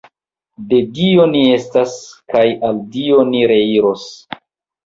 De Dio ni estas, kaj al Dio ni reiros.